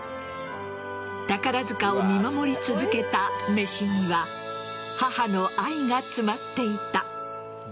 宝塚を見守り続けためしには母の愛が詰まっていた。